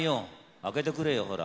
開けてくれよほら。